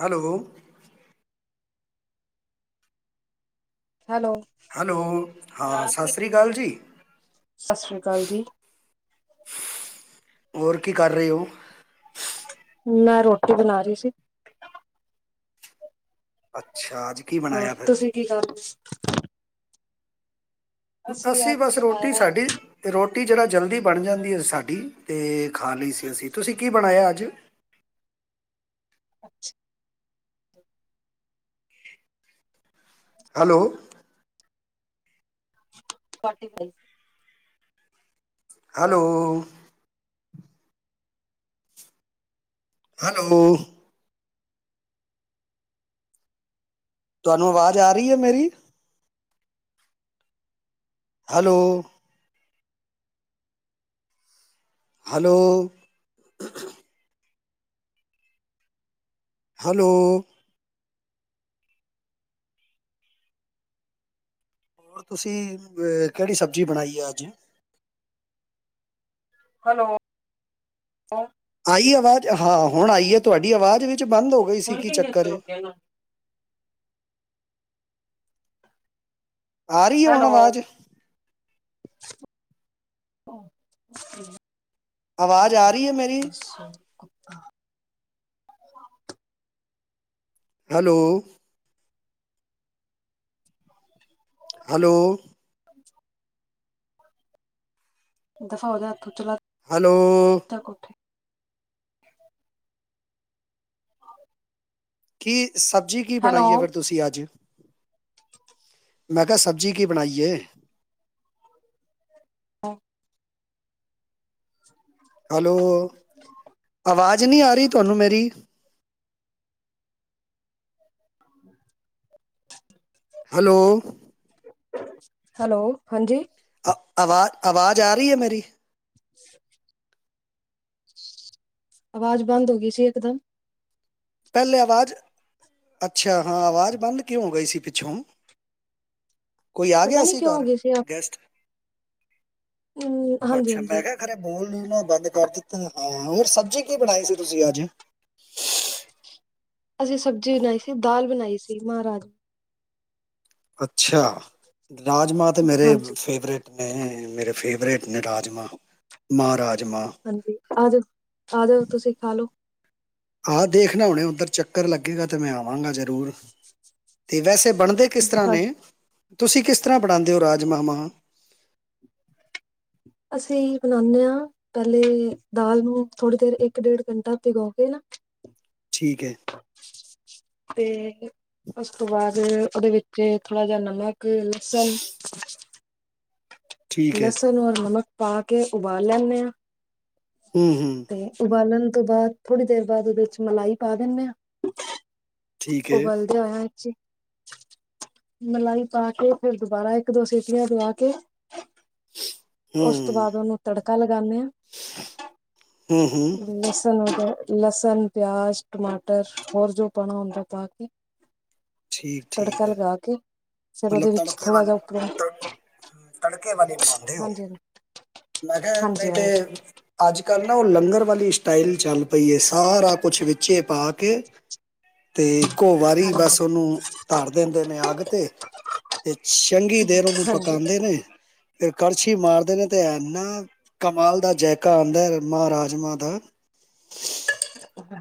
Hello. Hello. Hello, ਹਾਂ ਸਤਿ ਸ਼੍ਰੀ ਅਕਾਲ ਜੀ। ਸਤਿ ਸ਼੍ਰੀ ਅਕਾਲ ਜੀ। ਹੋਰ ਕੀ ਕਰ ਰਹੇ ਹੋ। ਮੈਂ ਰੋਟੀ ਬਣਾ ਰਹੀ ਸੀ। ਅੱਛਾ ਜੀ। ਹੋਰ ਤੁਸੀਂ ਕੀ ਕਰਦੇ। ਅਸੀਂ ਅੱਜ ਬਸ ਰੋਟੀ ਬਣਾਇਆ ਸਾਡੀ ਤੇ ਰੋਟੀ ਜਿਹੜਾ ਜਲਦੀ ਬਣ ਜਾਂਦੀ ਹੈ ਸਾਡੀ ਤੇ ਖਾ ਲਈ ਸੀ ਅਸੀਂ ਤੁਸੀਂ ਕੀ ਬਣਾਇਆ ਅੱਜ। ਅੱਛਾ। ਹੈਲੋ। [inaudible] ਹੈਲੋ। ਹੈਲੋ। ਤੁਹਾਨੂੰ ਆਵਾਜ਼ ਆ ਰਹੀ ਹੈ ਮੇਰੀ। ਹੈਲੋ। ਹੈਲੋ ਹੈਲੋ ਹੋਰ ਤੁਸੀਂ ਕਿਹੜੀ ਸਬਜ਼ੀ ਬਣਾਈ ਹੈ ਅੱਜ। ਹੈਲੋ ਆਈ ਆਵਾਜ਼ ਹਾਂ ਹੁਣ ਆਈ ਹੈ ਤੁਹਾਡੀ ਆਵਾਜ਼ ਵਿੱਚ ਬੰਦ ਹੋ ਗਈ ਸੀ ਕੀ ਚੱਕਰ ਏ। ਆ ਰਹੀ ਹੈ ਹੁਣ ਹੈਲੋ। ਆਵਾਜ਼ ਆਵਾਜ਼ ਆ ਰਹੀ ਹੈ ਮੇਰੀ। [inaudible] ਹੈਲੋ। ਹੈਲੋ [inaudible] [unintelligible] ਹੈਲੋ [unintelligible] ਕੀ ਸਬਜ਼ੀ ਕੀ ਹੈਲੋ ਬਣਾਈ ਹੈ ਫਿਰ ਤੁਸੀਂ ਅੱਜ। ਮੈਂ ਕਿਹਾ ਸਬਜ਼ੀ ਕੀ ਬਣਾਈਏ। [inaudible] ਹੈਲੋ ਆਵਾਜ਼ ਨਹੀਂ ਆ ਰਹੀ ਤੁਹਾਨੂੰ ਮੇਰੀ। [inaudible] ਹੈਲੋ ਹੈਲੋ ਹਾਂਜੀ। ਅ ਆਵਾਜ਼ ਆਵਾਜ਼ ਆ ਰਹੀ ਹੈ ਮੇਰੀ। [inaudible] ਆਵਾਜ਼ ਬੰਦ ਹੋ ਗਈ ਸੀ। ਇਕਦਮ ਪਹਿਲੇ ਆਵਾਜ਼ ਅੱਛਾ ਹਾਂ, ਆਵਾਜ਼ ਬੰਦ ਕਿਉਂ ਗਈ ਸੀ ਪਿੱਛੋਂ ਕੋਈ ਆ ਪਤਾ ਗਿਆ ਨੀ ਸੀ ਕਿਉਂ ਹੋ ਘਰ ਗਈ ਗੈਸਟ ਹਮ ਹਾਂਜੀ ਅੱਛਾ ਹਾਂਜੀ ਮੈਂ ਕਿਹਾ, ਰੇ ਬੋਲ ਨੂੰ ਬੰਦ ਕਰ ਦਿੱਤਾ ਹਾਂ, ਹੋਰ ਸਬਜ਼ੀ ਕੀ ਬਣਾਈ ਸੀ ਤੁਸੀਂ ਅੱਜ ਅਸੀਂ ਸਬਜ਼ੀ ਨਹੀ ਸੀ ਦਾਲ ਬਣਾਈ ਸੀ ਮਾਹ ਰਾਜ ਅੱਛਾ ਰਾਜਮਾ ਤਾਂ ਮੇਰੇ ਹਾਂਜੀ ਫੇਵਰੇਟ ਹੈ ਮੇਰੇ ਫੇਵਰੇਟ ਨੇ ਰਾਜਮ ਮਾਹ ਰਾਜਮਾ ਹਾਂਜੀ ਆ ਜਾਓ ਆ ਜਾਓ ਤੁਸੀਂ ਖਾ ਲੋ। ਆਹ ਦੇਖਣਾ ਹੁਣੇ ਉੱਧਰ ਚੱਕਰ ਲੱਗੇਗਾ ਤੇ ਮੈਂ ਆਵਾਂਗਾ ਜ਼ਰੂਰ। ਤੇ ਵੈਸੇ ਬਣਦੇ ਕਿਸ ਤਰ੍ਹਾਂ ਹਾਂ ਨੇ ਤੁਸੀਂ ਕਿਸ ਤਰ੍ਹਾਂ ਬਣਾਉਂਦੇ ਹੋ ਰਾਜਮਾ ਮਾਹ ਅਸੀਂ ਬਨਾਦੇ ਹਾਂ ਪਹਿਲੇ ਦਾਲ ਨੂੰ ਥੋੜ੍ਹੀ ਦੇਰ ਇੱਕ ਡੇਢ ਘੰਟਾ ਭਿਗੋ ਕੇ ਨਾ ਠੀਕ ਹੈ। ਤੇ ਉਸ ਤੋਂ ਬਾਅਦ ਉਹਦੇ ਵਿੱਚ ਥੋੜਾ ਜਿਹਾ ਨਮਕ ਲਸਨ ਠੀਕ ਹੈ ਲਸਨ ਹੋਰ ਨਮਕ, ਪਾ ਕੇ ਉਬਾਲ ਲੈਂਦੇ ਹਾਂ, ਹਮ ਹਮ ਤੇ ਉਬਾਲਣ ਤੋਂ ਬਾਅਦ ਥੋੜੀ ਦੇਰ ਬਾਅਦ ਉਹਦੇ ਚ ਮਲਾਈ ਪਾ ਦਿੰਦੇ ਹਾਂ। ਠੀਕ ਹੈ ਉਬਲ ਦਾ ਹੋਇਆ ਅ ਮਲਾਈ ਪਾ ਕੇ ਫਿਰ ਦੁਬਾਰਾ ਇੱਕ ਦੋ ਸੀਟੀਆਂ ਦਵਾ ਕੇ ਹੂੰ ਉਸ ਤੋਂ ਬਾਅਦ ਉਹਨੂੰ ਤੜਕਾ ਲਗਾਉਂਦੇ ਹਾਂ, ਹੂੰ ਹੂੰ ਬੇਸਣ ਹੋਗਿਆ ਲਸਣ ਪਿਆਜ ਟਮਾਟਰ ਹੋਰ ਜੋ ਪਾਉਣਾ ਉਹਦਾ ਪਾ ਕੇ, ਠੀਕ ਠੀਕ ਤੜਕਾ ਹੈ। ਲਗਾ ਕੇ ਫੇਰ ਮਤਲਬ ਉਹਦੇ ਵਿੱਚ ਤੜਕੇ ਥੋੜ੍ਹਾ ਵਾਲੇ ਜੀਹਾ ਉੱਪਰੋਂ ਤੜ- ਤੜਕੇ ਵਾਲੀ ਬਣਾਉਂਦੇ ਹੋ। ਹਾਂਜੀ ਮੈਂ ਕਿਹਾ ਹਾਂਜੀ ਨਹੀਂ ਤੇ ਹਾਂਜੀ ਅੱਜ ਕੱਲ੍ਹ ਨਾ ਉਹ ਲੰਗਰ ਵਾਲੀ ਸਟਾਈਲ ਚੱਲ ਪਈ ਸਾਰਾ ਕੁਛ ਵਿੱਚੇ ਪਾ ਕੇ ਤੇ ਇੱਕੋ ਵਾਰੀ ਹਾਂਜੀ ਬਸ ਉਹਨੂੰ ਧਾਰ ਦਿੰਦੇ ਨੇ ਅੱਗ ਤੇ, ਤੇ ਚੰਗੀ ਦੇਰ ਉਹਨੂੰ ਹਾਂਜੀ ਹਾਂਜੀ ਪਕਾਉਂਦੇ ਨੇ, ਤੇ ਕਰਛੀ ਮਾਰਦੇ ਨੇ ਤੇ ਇਨਾ ਕਮਾਲ ਦਾ ਜੈਕਾ ਆਉਂਦਾ ਮਹਾ ਰਾਜਮਾਂ ਦਾ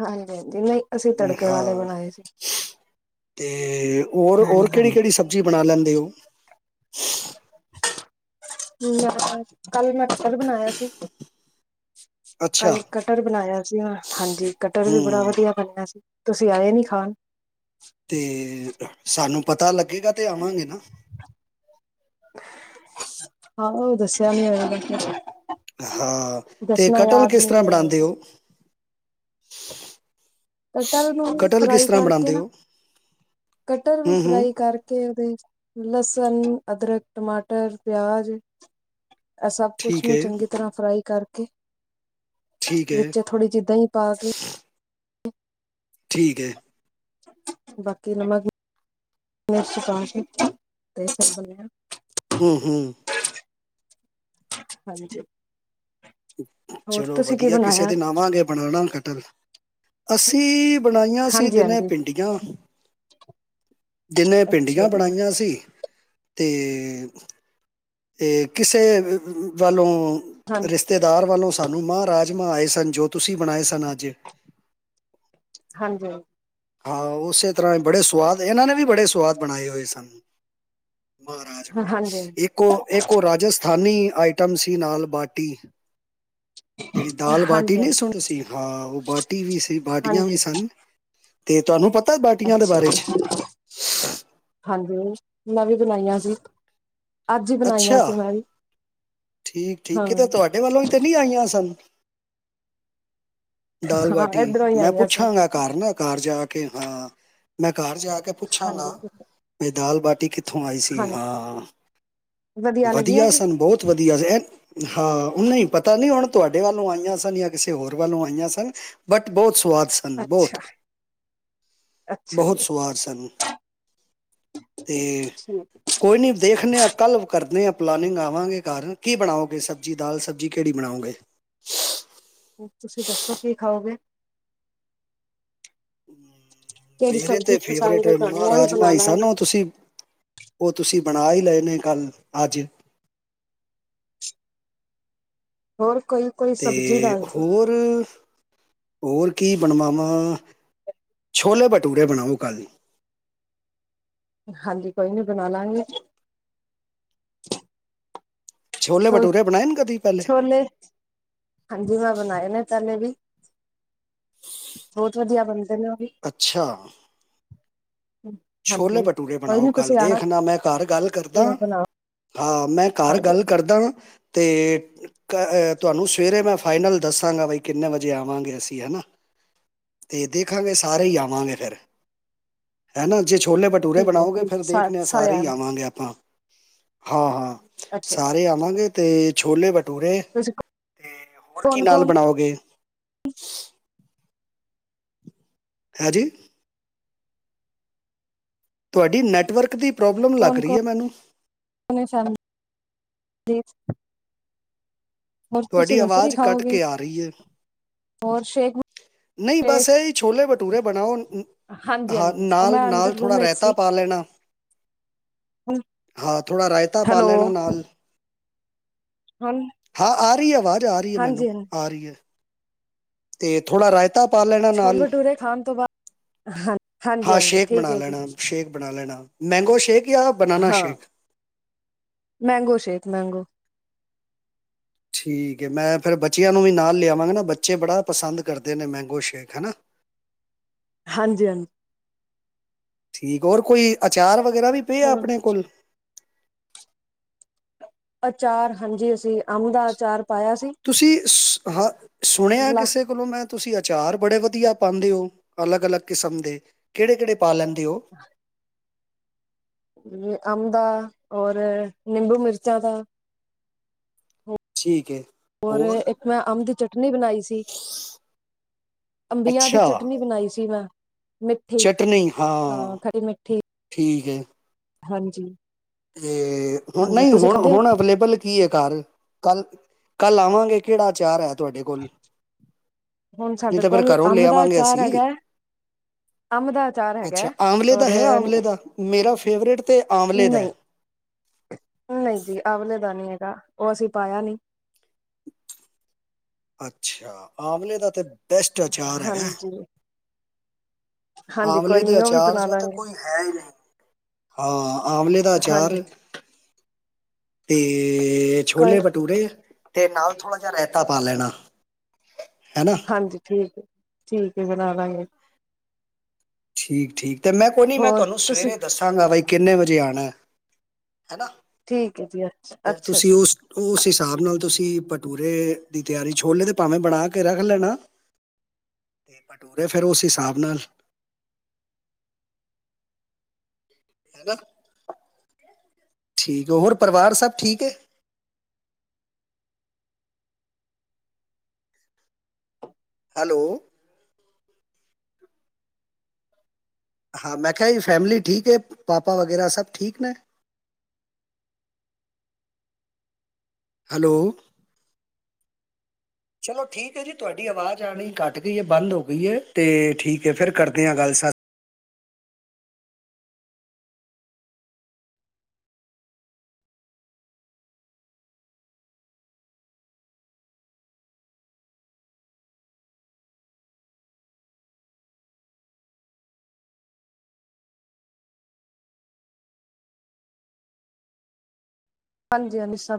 ਹਾਂਜੀ ਹਾਂਜੀ ਨਹੀਂ ਅਸੀਂ ਤੜਕੇ ਵਾਲੇ ਬਣਾਏ ਸੀ। ਅਤੇ ਔਰ ਮੈਂ ਨੀ ਹੋਰ ਕਿਹੜੀ ਖਾਣੀ ਕਿਹੜੀ ਸਬਜ਼ੀ ਬਣਾ ਲੈਂਦੇ ਉਹ, ਕੱਲ ਮੈ ਕਟਰ ਵੀ ਬਣਾਇਆ ਸੀ। ਅੱਛਾ ਕੱਲ ਕਟਰ ਬਣਾਇਆ ਸੀ ਹਾਂਜੀ ਕਟਰ ਵੀ ਬੜਾ ਹੂੰ ਵਧੀਆ ਬਣਿਆ ਸੀ ਤੁਸੀਂ ਆਏ ਨੀ ਖਾਣ ਤੇ ਸਾਨੂੰ ਪਤਾ ਲੱਗੇਗਾ ਤੇ ਆਵਾਂਗੇ ਨਾ, ਹਾ ਉਹ ਦੱਸਿਆ ਨਹੀ ਹਾਂ ਤੇ ਕਟਲ ਕਿਸ ਨੀ ਤਰ੍ਹਾਂ ਰਿਹਾ ਬਣਾਉਂਦੇ ਹੋਏਗਾ ਹੋ? ਕਟਰ ਨੂੰ ਕਟਲ ਕਿਸ ਫਰਾਈ ਤਰ੍ਹਾਂ ਕਰਕੇ ਬਣਾਉਂਦੇ ਨਾ ਹੋ ਕਟਰ ਵੀ ਹੂੰ ਹੂੰ ਫਰਾਈ ਕਰਕੇ ਉਹਦੇ ਲਸਣ ਅਦਰਕ ਟਮਾਟਰ ਪਿਆਜ ਇਹ ਸਭ ਕੁਛ ਠੀਕ ਨੂੰ ਹੈ ਚੰਗੀ ਤਰ੍ਹਾਂ ਫਰਾਈ ਕਰਕੇ, ਠੀਕ ਹੈ ਵਿੱਚ ਥੋੜ੍ਹੀ ਜਿਦਾਂ ਹੀ ਪਾ ਕੇ ਠੀਕ ਹੈ। ਬਾਕੀ ਨਮਕ ਤੇ ਹਮ ਹਮ ਹਾਂਜੀ ਹੋਰ ਚਲੋ ਤੁਸੀਂ ਕੀ ਵਧੀਆ ਕਿਸੇ ਬਣਾਇਆ ਦਿਨ ਆਵਾਂਗੇ ਬਣਾਉਣਾ ਕਟਲ ਅਸੀਂ ਬਣਾਈਆਂ ਸੀ ਹਾਂਜੀ ਦਿਨੇ ਹਾਂਜੀ ਪਿੰਡੀਆਂ ਦੀਨੇ ਅੱਛਾ ਪਿੰਡੀਆਂ ਜੀ ਬਣਾਈਆਂ ਸੀ ਤੇ ਇਹ ਕਿਸੇ ਵੱਲੋਂ ਰਿਸ਼ ਹਾਂਜੀ ਰਿਸ਼ਤੇਦਾਰ ਵੱਲੋਂ ਸਾਨੂੰ ਮਹ ਰਾਜਮਾਂ ਆਏ ਸਨ ਜੋ ਤੁਸੀਂ ਬਣਾਏ ਸਨ ਅੱਜ ਹਾਂਜੀ ਹਾਂ ਉਸੇ ਤਰ੍ਹਾਂ ਹੀ ਬੜੇ ਸੁਵਾਦ ਇਹਨਾਂ ਨੇ ਵੀ ਬੜੇ ਸੁਵਾਦ ਬਣਾਏ ਹੋਏ ਸਾਨੂੰ ਮਾਹ ਰਾਜਾਮਾ ਹਾਂਜੀ ਹਾਂਜੀ ਇੱਕ ਉਹ ਇੱਕ ਉਹ ਰਾਜਸਥਾਨੀ ਆਈਟਮ ਸੀ ਨਾਲ ਬਾਟੀ ਜਿਹੜੀ ਦਾਲ ਬਾਟੀ ਹਾਂਜੀ ਨਹੀਂ ਸੁਣੀ ਸੀ ਹਾਂ ਉਹ ਬਾਟੀ ਵੀ ਸੀ ਬਾਟੀਆਂ ਵੀ ਹਾਂਜੀ ਸਨ। ਤੇ ਤੁਹਾਨੂੰ ਪਤਾ ਬਾਟੀਆਂ ਦੇ ਬਾਰੇ 'ਚ ਅੱਛਾ ਹਾਂਜੀ ਮੈਂ ਵੀ ਬਣਾਈਆਂ ਸੀ। ਅੱਜ ਹੀ ਬਣਾਈਆਂ ਅੱਛਾ ਸੀ ਮੈਂ ਵੀ, ਠੀਕ ਠੀਕ ਹਾਂ ਕਿਤੇ ਤੁਹਾਡੇ ਵੱਲੋਂ ਹੀ ਤੇ ਨਹੀਂ ਆਈਆਂ ਸਨ। ਦਾਲ ਹਾਂ ਬਾਟੀ ਇੱਧਰੋਂ ਹੀ ਮੈਂ ਆਈਆਂ ਸੀ ਪੁੱਛਾਂਗਾ ਘਰ ਨਾ ਘਰ ਜਾ ਕੇ ਹਾਂ ਮੈਂ ਘਰ ਜਾ ਕੇ ਪੁੱਛਾਂਗਾ ਹਾਂਜੀ ਦਾਲ ਬਾਟੀ ਕਿੱਥੋਂ ਆਈ ਸੀ ਹਾਂਜੀ ਹਾਂ, ਲੱਗੀਆਂ ਵਧੀਆ ਸੀ ਸਨ ਬਹੁਤ ਵਧੀਆ ਐ ਹਾਂ ਨਹੀਂ ਪਤਾ ਨਹੀਂ ਹੁਣ ਤੁਹਾਡੇ ਵੱਲੋਂ ਆਈਆਂ ਸਨ ਜਾਂ ਕਿਸੇ ਹੋਰ ਵੱਲੋਂ ਆਈਆਂ ਸਨ ਬਟ ਬਹੁਤ ਸਵਾਦ ਸਨ ਬਹੁਤ ਅੱਛਾ ਅੱਛਾ ਬਹੁਤ ਜੀ ਸਵਾਦ ਸਨ। ਤੇ ਠੀਕ ਕੋਈ ਨੀ ਦੇਖਦੇ ਆਂ ਕੱਲ੍ਹ ਕਰਦੇ ਹਾਂ ਪਲਾਨਿੰਗ ਆਵਾਂਗੇ। ਕਲ ਕੀ ਬਣਾਓਗੇ ਸਬਜ਼ੀ ਦਾਲ ਸਬਜ਼ੀ ਕਿਹੜੀ ਬਣਾਓਗੇ। ਤੁਸੀਂ ਦੱਸੋ ਕੀ ਖਾਓਗੇ। ਕਿਹੜੀ ਮੇਰੇ ਤੇ ਸਬਜ਼ੀ ਫੇਵਰੇਟ ਪਸੰਦ ਹੈ ਤੁਹਾਨੂੰ ਮਾਹ ਉਹੀ ਰਾਜਮਾ ਬਣਾ ਈ ਸਨ ਲਾਂਗੇ ਉਹ ਤੁਸੀਂ ਉਹ ਤੁਸੀਂ ਬਣਾ ਹੀ ਲਏ ਨੇ ਕੱਲ ਅੱਜ ਹੋਰ ਕੋਈ ਕੋਈ ਤੇ ਸਬਜ਼ੀ ਦਸ ਦਓ। ਹੋਰ ਹੋਰ ਕੀ ਬਣਵਾਵਾਂ। ਛੋਲੇ ਭਟੂਰੇ ਬਣਾਓ ਕੱਲ੍ਹ। ਹਾਂਜੀ ਕੋਈ ਨੀ ਬਣਾ ਲਾਂਗੇ। ਛੋਲੇ ਛੋ ਭਟੂਰੇ ਬਣਾਏ ਨੇ ਕਦੀ ਪਹਿਲੇ ਛੋਲੇ ਹਾਂਜੀ ਮੈਂ ਬਣਾਏ ਨੇ ਪਹਿਲੇ ਵੀ ਬਹੁਤ ਵਧੀਆ ਬਣਦੇ ਨੇ ਉਹ ਵੀ ਅੱਛਾ। [inaudible] ਛੋਲੇ ਭਟੂਰੇ ਕੋਈ ਬਣਾਓ ਨੀ ਕੱਲ ਤੁਸੀਂ ਆਣਾ ਦੇਖਣਾ ਮੈਂ ਘਰ ਗੱਲ ਕਰਦਾ ਹਾਂ ਮੈਂ ਘਰ ਬਣਾਵਾਂਗੇ ਗੱਲ ਕਰਦਾ ਤੇ ਅ ਤੁਹਾਨੂੰ ਸਵੇਰੇ ਮੈਂ ਫਾਈਨਲ ਦੱਸਾਂਗਾ ਬਈ ਕਿੰਨੇ ਵਜੇ ਆਵਾਂਗੇ ਅਸੀਂ ਹਨਾ। ਤੇ ਦੇਖਾਂਗੇ ਸਾਰੇ ਹੀ ਆਵਾਂਗੇ ਫਿਰ ਹੈ ਨਾ ਜੇ ਛੋਲੇ ਭਟੂਰੇ ਠੀਕ ਹੈ ਬਣਾਓਗੇ ਠੀਕ ਹੈ ਫਿਰ ਦੇਖਦੇਾ ਸਾਰੇ ਹੀ ਆਣਾ ਆਵਾਂਗੇ ਆਪਾਂ। ਹਾਂ ਹਾਂ ਅੱਛਾ ਸਾਰੇ ਆਵਾਂਗੇ। ਤੇ ਛੋਲੇ ਬਟੂਰੇ ਤੁਸੀਂ ਅਤੇ ਹੋਰ ਕੀ ਕੌਣ ਨਾਲ ਕੌਣ ਬਣਾਓਗੇ। ਹੈਂਜੀ। ਤੁਹਾਡੀ ਨੈੱਟਵਰਕ ਦੀ ਪ੍ਰੋਬਲਮ ਲੱਗ ਕੌਣ ਰਹੀ ਹੈ ਮੈਨੂੰ। [inaudible] ਹੋਰ ਤੁਸੀਂ ਤੁਹਾਡੀ ਦੱਸੋ ਕੀ ਆਵਾਜ਼ ਕੱਟ ਖਾਓਗੇ। ਕੇ ਆ ਰਹੀ ਹੈ। ਹੋਰ ਸ਼ੇਕ ਨਹੀਂ ਬਸ ਸ਼ੇਕ ਇਹੀ ਛੋਲੇ ਭਟੂਰੇ ਬਣਾਓ ਹਾਂਜੀ ਹਾਂ ਹਾਂਜੀ ਉਹ ਨਾਲ ਮੈਂ ਅੰਦਰ ਨਾਲ ਰੂਮ ਥੋੜ੍ਹਾ ਵਿੱਚ ਰਾਏਤਾ ਸੀ ਪਾ ਲੈਣਾ ਹਾਂ ਥੋੜ੍ਹਾ ਰਾਇਤਾ ਪਾ ਹੈਲੋ ਲੈਣਾ ਨਾਲ। ਹੁਣ ਹਾਂ ਆ ਰਹੀ ਹੈ ਆਵਾਜ਼ ਆ ਰਹੀ ਹੈ ਮੈਨੂੰ ਹਾਂਜੀ ਹਾਂਜੀ ਆ ਰਹੀ ਹੈ ਤੇ ਥੋੜ੍ਹਾ ਰਾਇਤਾ ਪਾ ਲੈਣਾ ਛੋਲੇ ਨਾਲ ਭਟੂਰੇ ਖਾਣ ਤੋਂ ਬਾਅਦ ਹਾਂ ਹਾਂਜੀ ਹਾਂ ਹਾਂਜੀ ਸ਼ੇਕ ਠੀਕ ਬਣਾ ਹੈ ਜੀ ਲੈਣਾ, ਸ਼ੇਕ ਬਣਾ ਲੈਣਾ। ਮੈਂਗੋ ਸ਼ੇਕ ਜਾਂ ਬਨਾਨਾ ਹਾਂ ਸ਼ੇਕ। Mango shake, mango. ਠੀਕ ਐ ਮੈਂ ਫੇਰ ਬੱਚਿਆਂ ਨੂੰ ਵੀ ਨਾਲ ਲਿਆਵਾਂਗਾ ਨਾ ਬੱਚੇ ਬੜਾ ਪਸੰਦ ਕਰਦੇ ਨੇ ਮੈਂਗੋ ਸ਼ੇਕ ਹਨਾ। [inaudible] ਹਾਂਜੀ-ਹਾਂਜੀ। ਠੀਕ ਹੋਰ ਕੋਈ ਅਚਾਰ ਵਗੈਰਾ ਵੀ ਪਿਆ, ਹਾਂ ਆਪਣੇ ਕੋਲੇ? ਅਚਾਰ ਹਾਂਜੀ ਅਸੀਂ ਅੰਬ ਦਾ ਅਚਾਰ ਪਾਇਆ ਸੀ। ਤੁਸੀਂ ਸੂ ਹ, ਸੁਣਿਆ ਕਿਸੇ ਕੋਲੋਂ ਮੈਂ ਤੁਸੀਂ ਅਚਾਰ ਬੜੇ ਵਧੀਆ ਪਾਉਂਦੇ ਓ, ਅਲੱਗ-ਅਲੱਗ ਕਿਸਮ ਦੇ, ਕਿਹੜੇ-ਕਿਹੜੇ ਪਾ ਲੈਂਦੇ ਓ? [inaudible] ਏ ਅੰਬ ਦਾ ਔਰ, ਨਿੰਬੂ, ਮਿਰਚਾਂ ਦਾ। ਠੀਕ ਹੈ ਹੋਰ। ਮੈਂ ਅੰਬ ਦੀ ਚਟਨੀ ਬਣਾਈ ਸੀ। ਅੰਬੀਆਂ ਦੀ ਅੱਛਾ ਚਟਨੀ ਬਣਾਈ ਸੀ ਮੈਂ [inaudible] ਚਟਨੀ ਹਾਂ ਖਰੀ ਮਿੱਠੀ ਠੀਕ ਹੈ। ਹਾਂਜੀ। ਏ ਹਾਂਜੀ ਨਈਂ ਤੁਸੀਂ ਖਾਂਦੇ ਹੋ ਹੁਣ-ਹੁਣ ਅਵੇਲੇਬਲ ਕੀ ਐ ਘਰ। ਕੱਲ, ਕੱਲ ਆਵਾਂਗੇ ਕਿਹੜਾ ਆਚਾਰ ਐ ਤੁਹਾਡੇ ਕੋਲ। ਹੁਣ ਨਹੀਂ ਸਾਡੇ ਤਾਂ ਫੇਰ ਕੋਲ ਘਰੋਂ ਲੈ ਅੰਬ ਦਾ ਆਵਾਂਗੇ ਅਚਾਰ ਅਸੀਂ। ਹੈਗਾ ਅੰਬ ਦਾ ਅਚਾਰ ਹੈਗਾ ਅੱਛਾ। ਆਮਲੇ ਦਾ ਔਰ ਹੈ, ਆਮਲੇ ਦਾ, ਮੇਰਾ ਫੇਵਰੇਟ ਤੇ ਆਮਲੇ ਦਾ ਨਈਂ, ਹੈ। ਨਈਂ ਜੀ ਆਵਲੇ ਦਾ ਨੀ ਹੈਗਾ, ਉਹ ਅਸੀਂ ਪਾਇਆ ਨੀਂ। ਅੱਛਾ। ਆਵਲੇ ਦਾ ਤੇ, ਬੈਸਟ ਅਚਾਰ ਹੈਗਾ। ਹਾਂਜੀ ਹਾਂਜੀ ਆਵਲੇ ਕੋਈ ਦੇ ਨੀ ਉਹ ਵੀ ਅਚਾਰ ਬਣਾ ਜਿਹਾ ਤਾਂ ਲਾਂਗੇ ਕੋਈ ਹੈ ਈ ਨਹੀਂ, ਹਾਂ ਆਵਲੇ ਦਾ ਅਚਾਰ ਹਾਂਜੀ ਤੇ ਕੋਈ ਛੋਲੇ ਭਟੂਰੇ। ਤੇ ਨਾਲ ਥੋੜ੍ਹਾ ਜਿਹਾ ਰਾਇਤਾ ਪਾ ਲੈਣਾ, ਹਨਾ। ਹਾਂਜੀ ਠੀਕ ਐ, ਠੀਕ ਏ ਬਣਾਦਾ ਗੀ। ਠੀਕ-ਠੀਕ ਤੇ ਮੈਂ ਕੋਈ ਨਈਂ ਮੈਂ ਹੋਰ ਤੁਹਾਨੂੰ ਤੁਸੀਂ ਸਵੇਰੇ ਦੱਸਾਂਗਾ। ਬਈ ਕਿੰਨੇ ਵਜੇ ਆਉਣਾ, ਹੈਨਾ। ਠੀਕ ਐ ਜੀ। ਫੇਰ ਅੱਛਾ ਤੁਸੀਂ ਜੀ ਉਸ ਉਸ ਹਿਸਾਬ ਨਾਲ ਤੁਸੀਂ ਭਟੂਰੇ, ਦੀ ਤਿਆਰੀ ਛੋਲੇ ਤੇ ਭਾਵੇਂ ਬਣਾ ਕੇ ਰੱਖ ਲੈਣਾ। ਤੇ ਭਟੂਰੇ ਫੇਰ ਉਸ ਹਿਸਾਬ ਨਾਲ ਹਨਾ। ਠੀਕ ਹੋਰ। ਪਰਿਵਾਰ ਸਭ ਠੀਕ ਐ? ਹੈਲੋ ਹਾਂ। ਮੈਂ ਕਿਹਾ ਜੀ ਫੈਮਿਲੀ ਠੀਕ ਐ, ਪਾਪਾ ਵਗੈਰਾ ਸਭ ਠੀਕ ਨੇ। ਹੈਲੋ ਚਲੋ ਠੀਕ ਐ ਜੀ ਤੁਹਾਡੀ ਆਵਾਜ਼ ਆਉਣੀ ਘੱਟ ਗਈ ਐ, ਬੰਦ ਹੋ ਗਈ ਐ, ਤੇ ਠੀਕ ਫੇਰ ਕਰਦੇ ਆ ਗੱਲ ਸੱ ਹਾਂਜੀ-ਹਾਂਜੀ ਸਭ